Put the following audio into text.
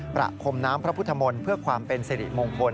ประคมน้ำพระพุทธมนตร์เพื่อความเป็นสิริมงคล